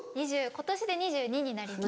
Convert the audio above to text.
今年で２２歳になります。